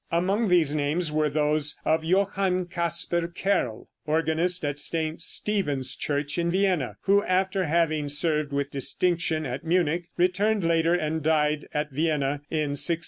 Among these names were those of Johann Kasper Kerl, organist at St. Stephen's church in Vienna, who, after having served with distinction at Munich, returned later and died at Vienna in 1690.